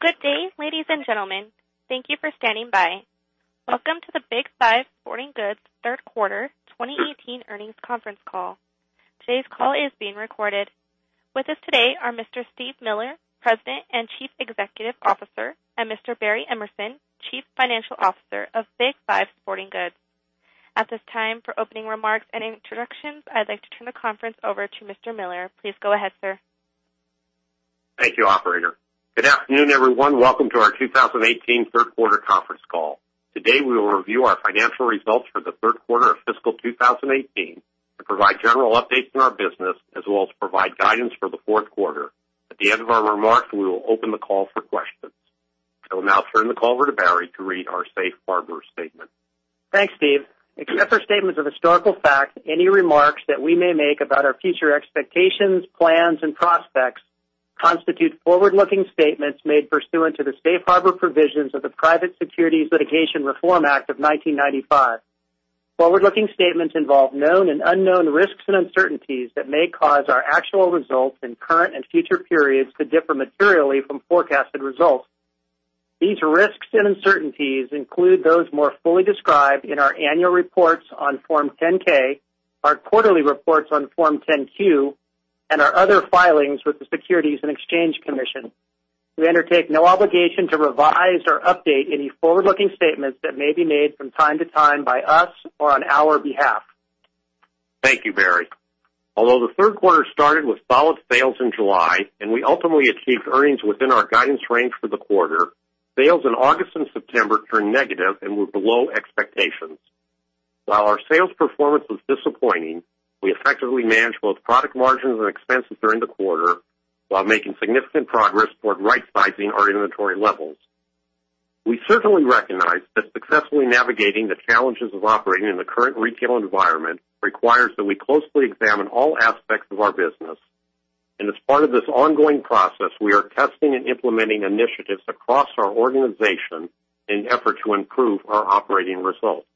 Good day, ladies and gentlemen. Thank you for standing by. Welcome to the Big 5 Sporting Goods third quarter 2018 earnings conference call. Today's call is being recorded. With us today are Mr. Steve Miller, President and Chief Executive Officer, and Mr. Barry Emerson, Chief Financial Officer of Big 5 Sporting Goods. At this time, for opening remarks and introductions, I'd like to turn the conference over to Mr. Miller. Please go ahead, sir. Thank you, operator. Good afternoon, everyone. Welcome to our 2018 third quarter conference call. Today, we will review our financial results for the third quarter of fiscal 2018 and provide general updates on our business, as well as provide guidance for the fourth quarter. At the end of our remarks, we will open the call for questions. I will now turn the call over to Barry to read our safe harbor statement. Thanks, Steve. Except for statements of historical fact, any remarks that we may make about our future expectations, plans and prospects constitute forward-looking statements made pursuant to the safe harbor provisions of the Private Securities Litigation Reform Act of 1995. Forward-looking statements involve known and unknown risks and uncertainties that may cause our actual results in current and future periods to differ materially from forecasted results. These risks and uncertainties include those more fully described in our annual reports on Form 10-K, our quarterly reports on Form 10-Q, and our other filings with the Securities and Exchange Commission. We undertake no obligation to revise or update any forward-looking statements that may be made from time to time by us or on our behalf. Thank you, Barry. Although the third quarter started with solid sales in July, and we ultimately achieved earnings within our guidance range for the quarter, sales in August and September turned negative and were below expectations. While our sales performance was disappointing, we effectively managed both product margins and expenses during the quarter while making significant progress toward right-sizing our inventory levels. We certainly recognize that successfully navigating the challenges of operating in the current retail environment requires that we closely examine all aspects of our business. As part of this ongoing process, we are testing and implementing initiatives across our organization in an effort to improve our operating results.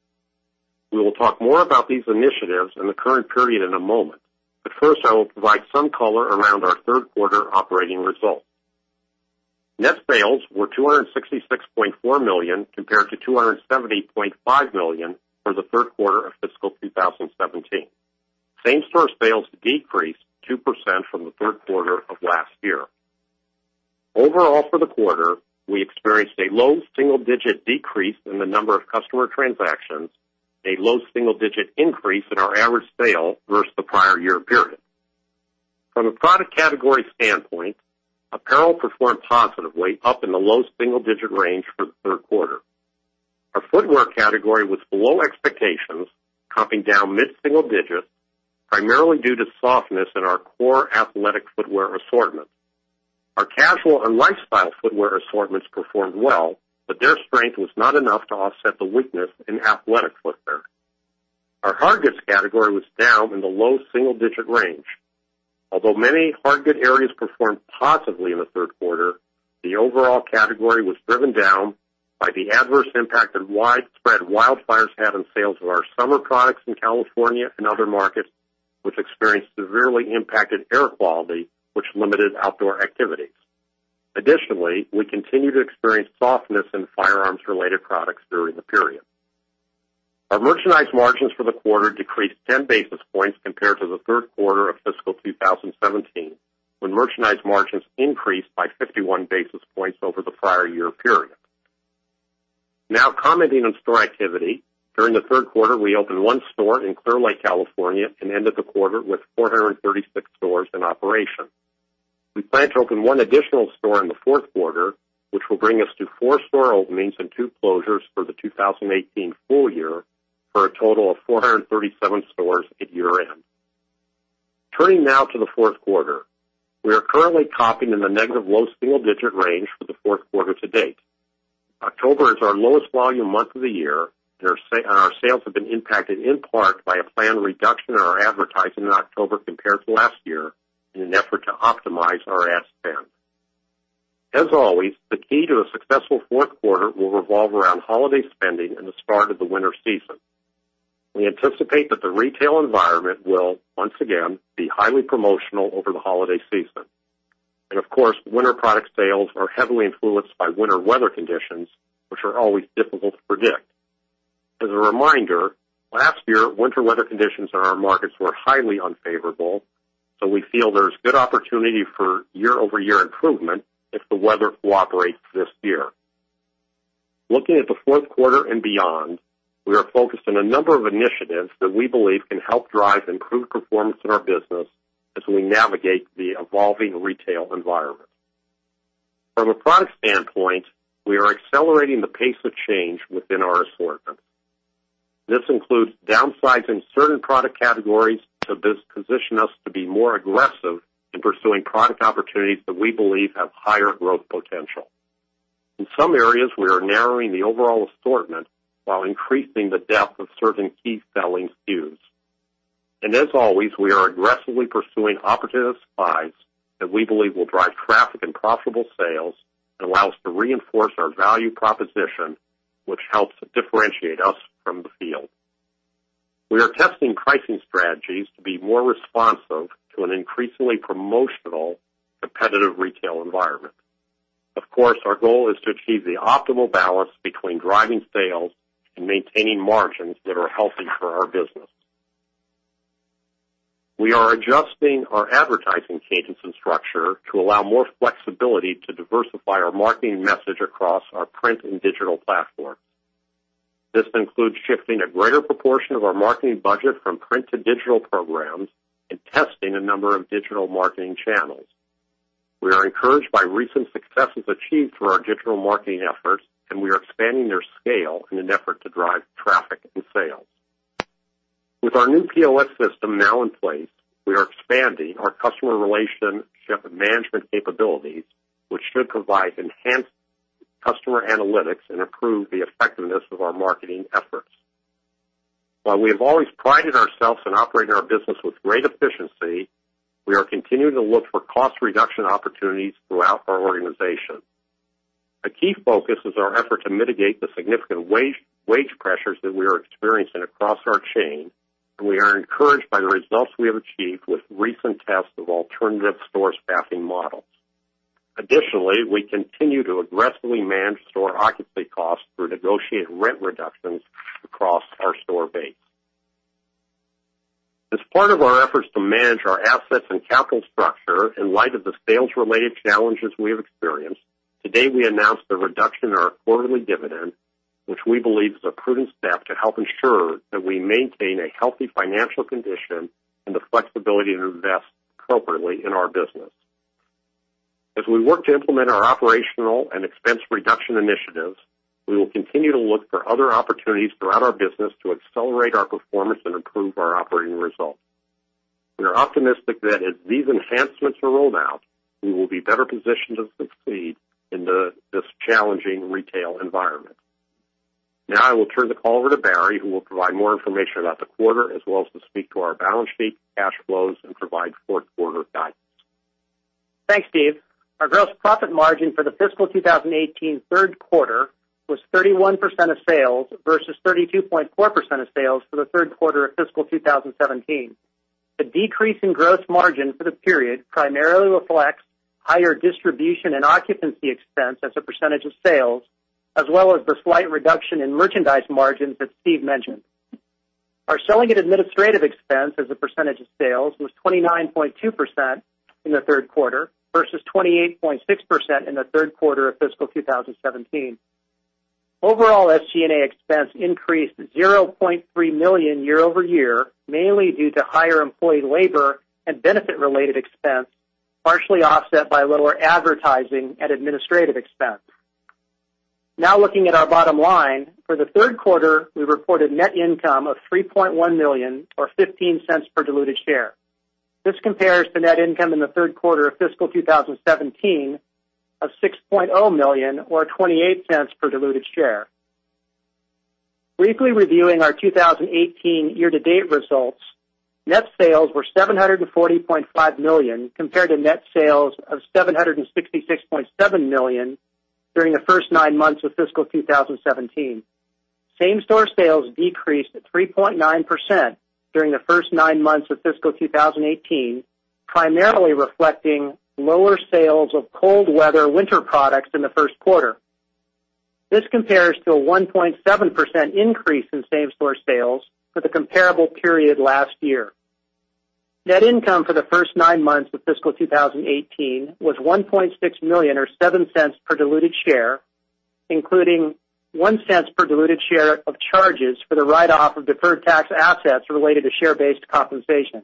First, I will provide some color around our third quarter operating results. Net sales were $266.4 million compared to $270.5 million for the third quarter of fiscal 2017. Same-store sales decreased 2% from the third quarter of last year. Overall for the quarter, we experienced a low single-digit decrease in the number of customer transactions, a low single-digit increase in our average sale versus the prior year period. From a product category standpoint, apparel performed positively, up in the low single-digit range for the third quarter. Our footwear category was below expectations, comping down mid-single digits, primarily due to softness in our core athletic footwear assortment. Our casual and lifestyle footwear assortments performed well, their strength was not enough to offset the weakness in athletic footwear. Our hard goods category was down in the low single-digit range. Although many hard good areas performed positively in the third quarter, the overall category was driven down by the adverse impact that widespread wildfires had on sales of our summer products in California and other markets, which experienced severely impacted air quality, which limited outdoor activities. Additionally, we continue to experience softness in firearms-related products during the period. Our merchandise margins for the quarter decreased 10 basis points compared to the third quarter of fiscal 2017, when merchandise margins increased by 51 basis points over the prior year period. Now commenting on store activity. During the third quarter, we opened one store in Clearlake, California, and ended the quarter with 436 stores in operation. We plan to open one additional store in the fourth quarter, which will bring us to four store openings and two closures for the 2018 full year for a total of 437 stores at year-end. Turning now to the fourth quarter. We are currently comping in the negative low single-digit range for the fourth quarter to date. October is our lowest volume month of the year, our sales have been impacted in part by a planned reduction in our advertising in October compared to last year in an effort to optimize our ad spend. As always, the key to a successful fourth quarter will revolve around holiday spending and the start of the winter season. We anticipate that the retail environment will, once again, be highly promotional over the holiday season. Of course, winter product sales are heavily influenced by winter weather conditions, which are always difficult to predict. As a reminder, last year, winter weather conditions in our markets were highly unfavorable, we feel there's good opportunity for year-over-year improvement if the weather cooperates this year. Looking at the fourth quarter and beyond, we are focused on a number of initiatives that we believe can help drive improved performance in our business as we navigate the evolving retail environment. From a product standpoint, we are accelerating the pace of change within our assortment. This includes downsizing certain product categories to best position us to be more aggressive in pursuing product opportunities that we believe have higher growth potential. In some areas, we are narrowing the overall assortment while increasing the depth of certain key selling SKUs. As always, we are aggressively pursuing opportunistic buys that we believe will drive traffic and profitable sales and allow us to reinforce our value proposition, which helps differentiate us from the field. We are testing pricing strategies to be more responsive to an increasingly promotional, competitive retail environment. Of course, our goal is to achieve the optimal balance between driving sales and maintaining margins that are healthy for our business. We are adjusting our advertising cadence and structure to allow more flexibility to diversify our marketing message across our print and digital platforms. This includes shifting a greater proportion of our marketing budget from print to digital programs and testing a number of digital marketing channels. We are encouraged by recent successes achieved through our digital marketing efforts, and we are expanding their scale in an effort to drive traffic and sales. With our new POS system now in place, we are expanding our customer relationship and management capabilities, which should provide enhanced customer analytics and improve the effectiveness of our marketing efforts. While we have always prided ourselves on operating our business with great efficiency, we are continuing to look for cost reduction opportunities throughout our organization. A key focus is our effort to mitigate the significant wage pressures that we are experiencing across our chain. We are encouraged by the results we have achieved with recent tests of alternative store staffing models. Additionally, we continue to aggressively manage store occupancy costs through negotiated rent reductions across our store base. As part of our efforts to manage our assets and capital structure in light of the sales-related challenges we have experienced, today we announced a reduction in our quarterly dividend, which we believe is a prudent step to help ensure that we maintain a healthy financial condition and the flexibility to invest appropriately in our business. As we work to implement our operational and expense reduction initiatives, we will continue to look for other opportunities throughout our business to accelerate our performance and improve our operating results. We are optimistic that as these enhancements are rolled out, we will be better positioned to succeed in this challenging retail environment. Now I will turn the call over to Barry, who will provide more information about the quarter as well as to speak to our balance sheet, cash flows, and provide fourth quarter guidance. Thanks, Steve. Our gross profit margin for the fiscal 2018 third quarter was 31% of sales versus 32.4% of sales for the third quarter of fiscal 2017. The decrease in gross margin for the period primarily reflects higher distribution and occupancy expense as a percentage of sales, as well as the slight reduction in merchandise margins that Steve mentioned. Our selling and administrative expense as a percentage of sales was 29.2% in the third quarter versus 28.6% in the third quarter of fiscal 2017. Overall, SG&A expense increased $0.3 million year-over-year, mainly due to higher employee labor and benefit-related expense, partially offset by lower advertising and administrative expense. Looking at our bottom line. For the third quarter, we reported net income of $3.1 million, or $0.15 per diluted share. This compares to net income in the third quarter of fiscal 2017 of $6.0 million or $0.28 per diluted share. Briefly reviewing our 2018 year-to-date results, net sales were $740.5 million compared to net sales of $766.7 million during the first nine months of fiscal 2017. Same-store sales decreased 3.9% during the first nine months of fiscal 2018, primarily reflecting lower sales of cold weather winter products in the first quarter. This compares to a 1.7% increase in same-store sales for the comparable period last year. Net income for the first nine months of fiscal 2018 was $1.6 million, or $0.07 per diluted share, including $0.01 per diluted share of charges for the write-off of deferred tax assets related to share-based compensation.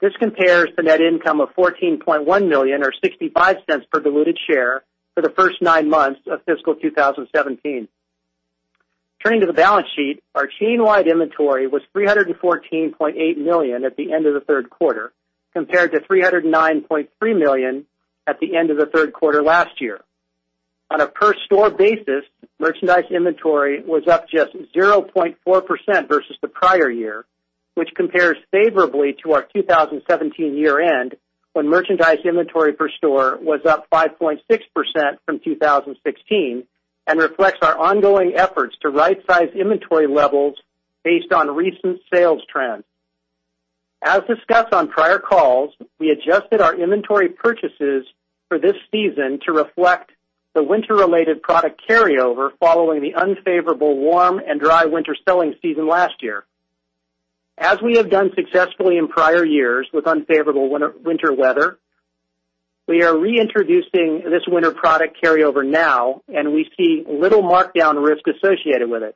This compares to net income of $14.1 million or $0.65 per diluted share for the first nine months of fiscal 2017. Turning to the balance sheet, our chain-wide inventory was $314.8 million at the end of the third quarter, compared to $309.3 million at the end of the third quarter last year. On a per store basis, merchandise inventory was up just 0.4% versus the prior year, which compares favorably to our 2017 year-end, when merchandise inventory per store was up 5.6% from 2016 and reflects our ongoing efforts to right size inventory levels based on recent sales trends. As discussed on prior calls, we adjusted our inventory purchases for this season to reflect the winter related product carryover following the unfavorable warm and dry winter selling season last year. As we have done successfully in prior years with unfavorable winter weather, we are reintroducing this winter product carryover now, and we see little markdown risk associated with it.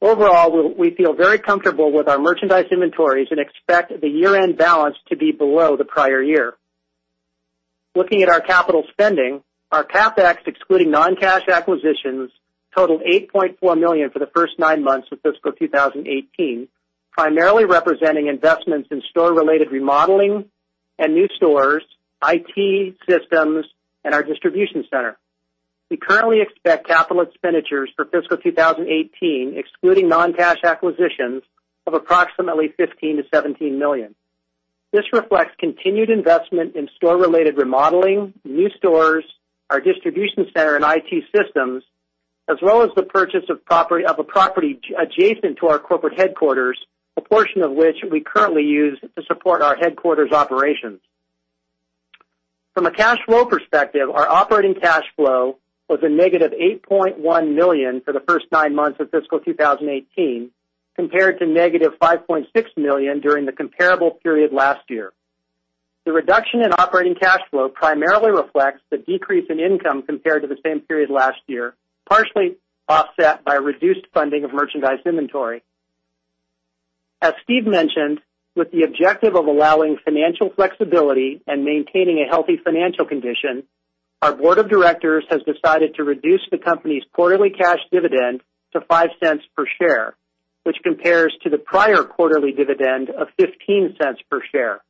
Overall, we feel very comfortable with our merchandise inventories and expect the year-end balance to be below the prior year. Looking at our capital spending, our CapEx, excluding non-cash acquisitions, totaled $8.4 million for the first nine months of fiscal 2018, primarily representing investments in store-related remodeling and new stores, IT systems, and our distribution center. We currently expect capital expenditures for fiscal 2018, excluding non-cash acquisitions, of approximately $15 million-$17 million. This reflects continued investment in store-related remodeling, new stores, our distribution center and IT systems, as well as the purchase of a property adjacent to our corporate headquarters, a portion of which we currently use to support our headquarters' operations. From a cash flow perspective, our operating cash flow was a negative $8.1 million for the first nine months of fiscal 2018, compared to negative $5.6 million during the comparable period last year. The reduction in operating cash flow primarily reflects the decrease in income compared to the same period last year, partially offset by reduced funding of merchandise inventory. As Steve mentioned, with the objective of allowing financial flexibility and maintaining a healthy financial condition, our board of directors has decided to reduce the company's quarterly cash dividend to $0.05 per share, which compares to the prior quarterly dividend of $0.15 per share.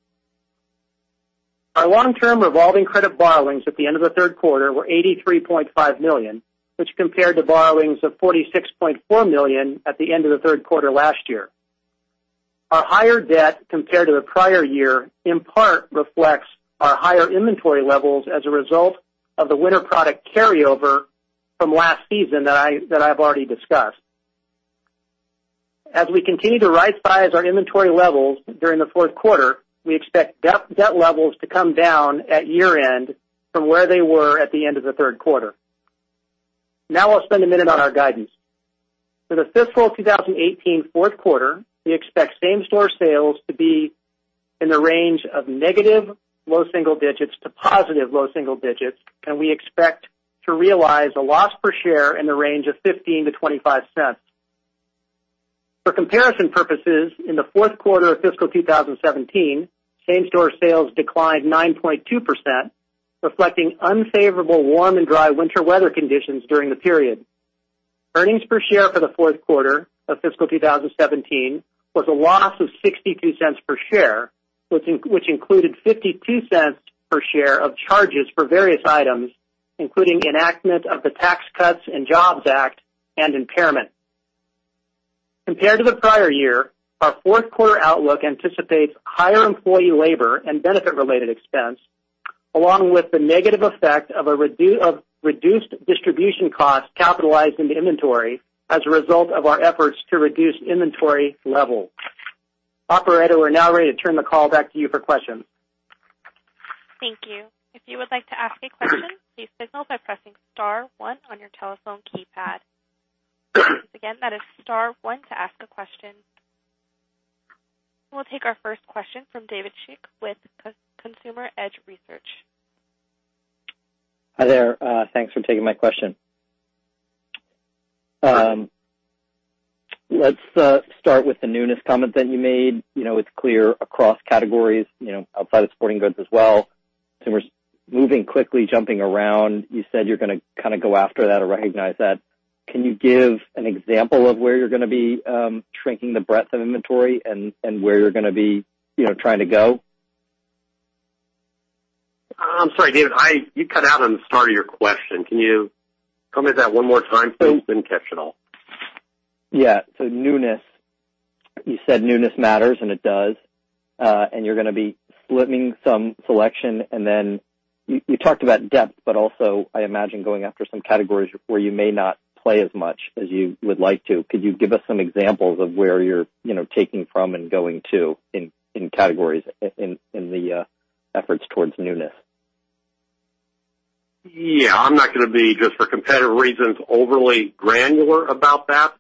Our long-term revolving credit borrowings at the end of the third quarter were $83.5 million, which compared to borrowings of $46.4 million at the end of the third quarter last year. Our higher debt compared to the prior year in part reflects our higher inventory levels as a result of the winter product carryover from last season that I've already discussed. As we continue to right-size our inventory levels during the fourth quarter, we expect debt levels to come down at year-end from where they were at the end of the third quarter. I'll spend a minute on our guidance. For the fiscal 2018 fourth quarter, we expect same-store sales to be in the range of negative low single digits to positive low single digits, and we expect to realize a loss per share in the range of $0.15 to $0.25. For comparison purposes, in the fourth quarter of fiscal 2017, same-store sales declined 9.2%, reflecting unfavorable warm and dry winter weather conditions during the period. Earnings per share for the fourth quarter of fiscal 2017 was a loss of $0.62 per share, which included $0.52 per share of charges for various items, including enactment of the Tax Cuts and Jobs Act and impairment. Compared to the prior year, our fourth quarter outlook anticipates higher employee labor and benefit-related expense, along with the negative effect of reduced distribution costs capitalized into inventory as a result of our efforts to reduce inventory levels. Operator, we're now ready to turn the call back to you for questions. Thank you. If you would like to ask a question, please signal by pressing * one on your telephone keypad. Again, that is * one to ask a question. We'll take our first question from David Schick with Consumer Edge Research. Hi there. Thanks for taking my question. Let's start with the newness comment that you made. It's clear across categories, outside of sporting goods as well. We're moving quickly, jumping around. You said you're going to kind of go after that or recognize that. Can you give an example of where you're going to be shrinking the breadth of inventory and where you're going to be trying to go? I'm sorry, David, you cut out on the start of your question. Can you come at that one more time, please? Didn't catch it all. Yeah. Newness. You said newness matters, and it does. You're going to be slimming some selection, and then you talked about depth, but also I imagine going after some categories where you may not play as much as you would like to. Could you give us some examples of where you're taking from and going to in categories in the efforts towards newness? Yeah. I'm not going to be, just for competitive reasons, overly granular about that.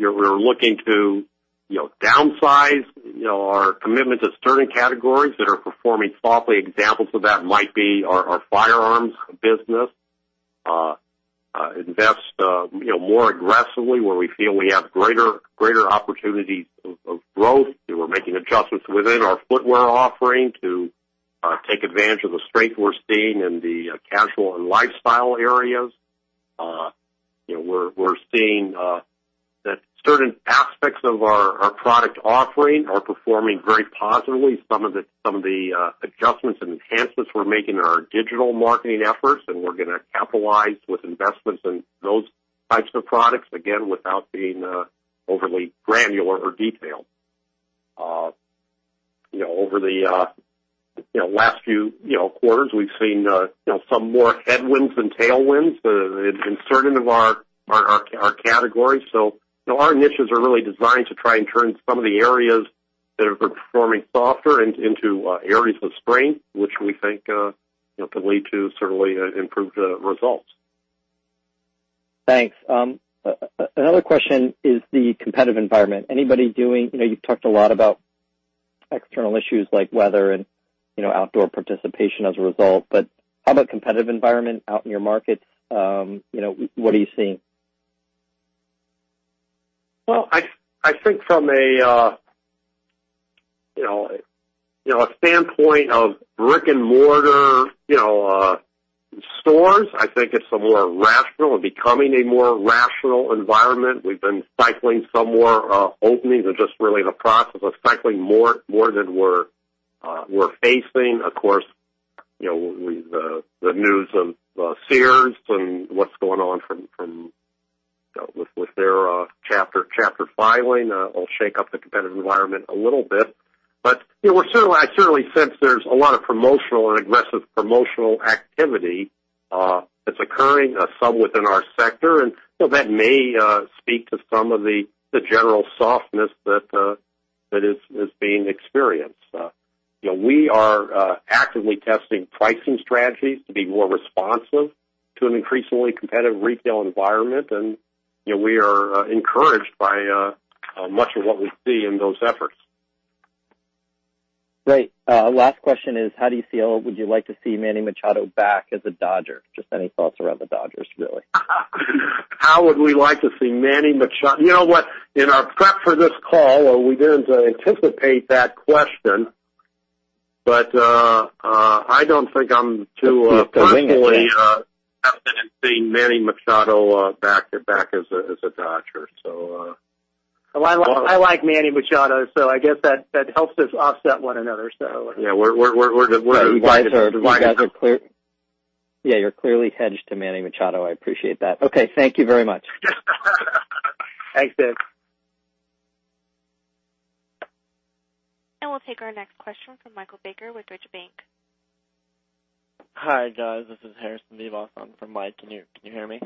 We're looking to downsize our commitment to certain categories that are performing softly. Examples of that might be our firearms business. We invest more aggressively where we feel we have greater opportunities of growth. We're making adjustments within our footwear offering to take advantage of the strength we're seeing in the casual and lifestyle areas. We're seeing that certain aspects of our product offering are performing very positively. Some of the adjustments and enhancements we're making are our digital marketing efforts, and we're going to capitalize with investments in those types of products. Again, without being overly granular or detailed. Over the last few quarters, we've seen some more headwinds than tailwinds in certain of our categories. Our initiatives are really designed to try and turn some of the areas that have been performing softer into areas of strength, which we think could lead to certainly improved results. Thanks. Another question is the competitive environment. You've talked a lot about external issues like weather and outdoor participation as a result, but how about competitive environment out in your markets? What are you seeing? Well, I think from a standpoint of brick and mortar stores, I think it's a more rational and becoming a more rational environment. We've been cycling some more openings and just really in the process of cycling more than we're facing. Of course, with the news of Sears and what's going on with their Chapter filing, it'll shake up the competitive environment a little bit. I certainly sense there's a lot of promotional and aggressive promotional activity that's occurring, some within our sector, and that may speak to some of the general softness that is being experienced. We are actively testing pricing strategies to be more responsive to an increasingly competitive retail environment, and we are encouraged by much of what we see in those efforts. Great. Last question is, how do you feel, would you like to see Manny Machado back as a Dodger? Just any thoughts around the Dodgers, really. How would we like to see Manny Machado? You know what? In our prep for this call, we didn't anticipate that question. It's coming up, yeah. confidently confident in seeing Manny Machado back as a Dodger. Well, I like Manny Machado, so I guess that helps us offset one another. Yeah. You guys are clear. Yeah, you're clearly hedged to Manny Machado. I appreciate that. Okay. Thank you very much. Thanks, Dave. We'll take our next question from Michael Baker with Deutsche Bank. Hi, guys. This is Harrison DeVos. I'm from Mike. Can you hear me?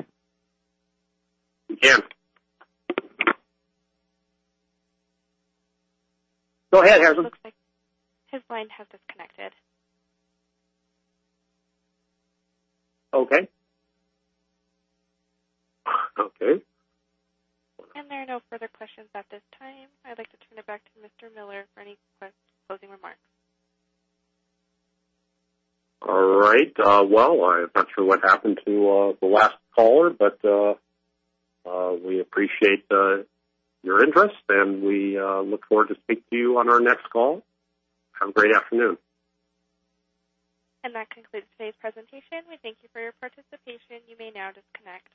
Can. Go ahead, Harrison. Looks like his line has disconnected. Okay. Okay. There are no further questions at this time. I'd like to turn it back to Mr. Miller for any closing remarks. All right. Well, I'm not sure what happened to the last caller, but we appreciate your interest, and we look forward to speaking to you on our next call. Have a great afternoon. That concludes today's presentation. We thank you for your participation. You may now disconnect.